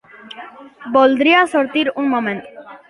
Voldria sortir un moment.